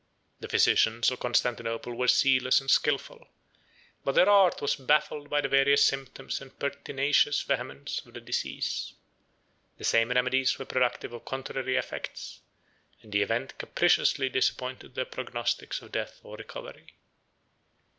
91 The physicians of Constantinople were zealous and skilful; but their art was baffled by the various symptoms and pertinacious vehemence of the disease: the same remedies were productive of contrary effects, and the event capriciously disappointed their prognostics of death or recovery.